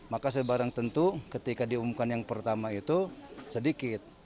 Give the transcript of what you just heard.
maka sebarang tentu ketika diumumkan yang pertama itu sedikit